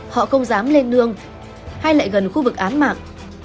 họ không dám lên nương hay lại gần khu vực án mạng